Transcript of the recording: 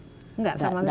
enggak sama sekali